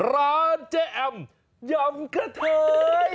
ร้านเจ๊แอมยำกะเทย